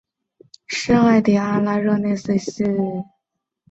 圣艾蒂安拉热内斯特。